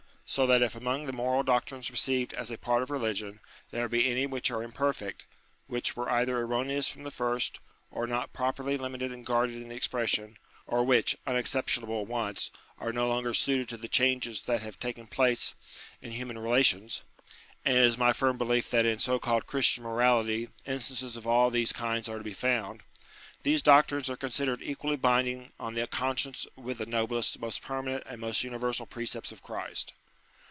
So that if among the moral doctrines received as a part of religion, there be any which are imperfect which were either erroneous from the first, or not properly limited and guarded in the expression, or which, unexceptionable once, are no longer suited to the changes that have taken place in human relations (and it is my firm belief that in so called Christian morality, instances of all these kinds are to be found) these doctrines are considered equally binding on the conscience with the noblest, most permanent and most universal precepts of Christ.